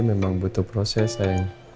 memang butuh proses sayang